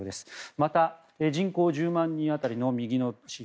また、人口１０万人当たりの右の指標